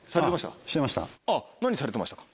何されてましたか？